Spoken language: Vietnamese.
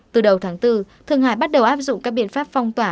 từ đầu tháng bốn thượng hải bắt đầu áp dụng các biện pháp phong tỏa